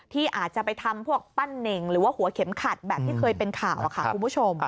ที่อาจจะไปทำพวกปั้นเน่งหรือว่าหัวเข็มขัดแบบที่เคยเป็นข่าวค่ะคุณผู้ชม